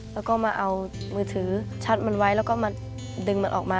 แล้วก็มาเอามือถือชัดมันไว้แล้วก็มาดึงมันออกมา